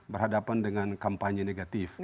berhadapan dengan kampanye negatif